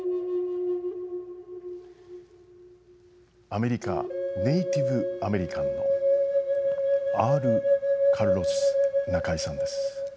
アメリカネイティブアメリカンＲカルロス・ナカイさんです。